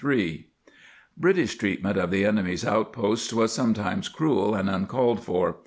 ^ British treatment of the enemy's outposts was sometimes cruel and uncalled for.